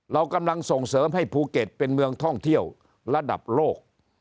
เรากำลังส่งเสริมให้ภูเก็ตเป็นเมืองท่องเที่ยวระดับโลก